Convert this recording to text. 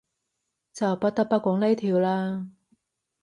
就不得不講呢條喇